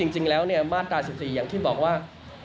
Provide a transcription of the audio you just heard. จริงแล้วมาตรา๑๔อย่างที่บอกว่า